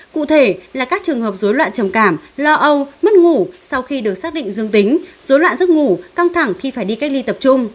cụ thể là các trường hợp dối loạn trầm cảm lo âu mất ngủ sau khi được xác định dương tính dối loạn giấc ngủ căng thẳng khi phải đi cách ly tập trung